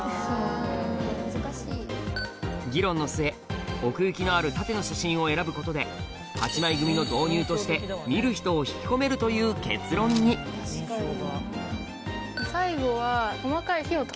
議論の末奥行きのある縦の写真を選ぶことで８枚組の導入として見る人を引き込めるという結論にしかも。